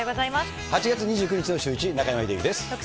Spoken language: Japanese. ８月２９日のシューイチ、中山秀征です。